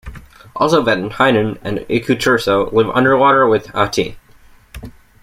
Also Vetehinen and Iku-Turso live underwater with Ahti.